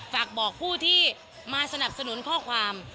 ฝากบอกผู้ที่มาสนับสนุนข้อความ